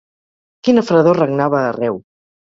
Quina fredor regnava arreu